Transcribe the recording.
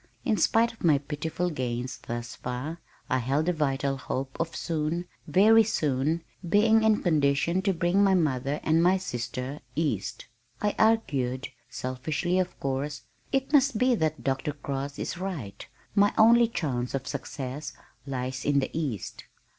In spite of my pitiful gains thus far, I held a vital hope of soon, very soon being in condition to bring my mother and my sister east. I argued, selfishly of course, "It must be that Dr. Cross is right. My only chance of success lies in the east."